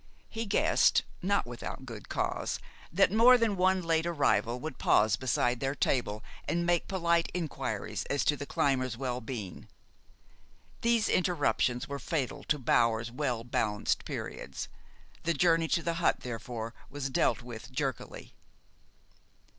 He guessed, not without good cause, that more than one late arrival would pause beside their table and make polite inquiries as to the climbers' well being. These interruptions were fatal to Bower's well balanced periods. The journey to the hut, therefore, was dealt with jerkily.